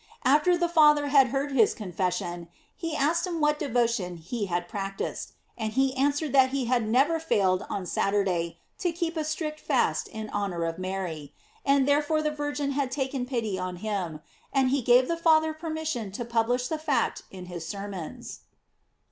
After the Father had heard his confes * Theoph. Rayu. de S. Lacr. c. 15. GLORIES OF MAKY. 689 •ion, he asked him what devotion he had practis ed, and he answered that he had never failed on Saturday to keep a strict fast in honor of Mary, and therefore the Virgin had taken pity on him, aud he gave the Father permission to publish the fact in his sermons.